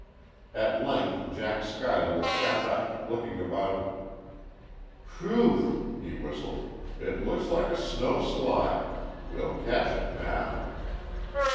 At length Jack Schuyler sat up, looking about him. "Phew!" he whistled. "It looks like a snowslide.... We'll catch it now!"